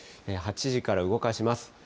８時から動かします。